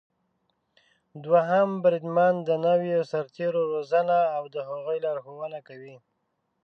دوهم بریدمن د نويو سرتېرو روزنه او د هغوی لارښونه کوي.